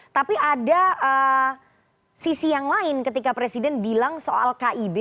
tapi ada sisi yang lain ketika presiden bilang soal kib